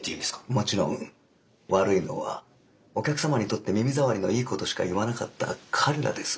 もちろん悪いのはお客様にとって耳障りのいいことしか言わなかった彼らです。